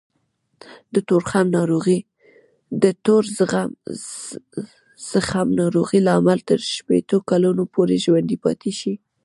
د تور زخم ناروغۍ لامل تر شپېتو کلونو پورې ژوندی پاتې شي.